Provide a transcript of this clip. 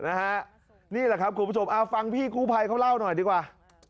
นี่แหละครับคุณผู้ชมเอาฟังพี่กู้ภัยเขาเล่าหน่อยดีกว่า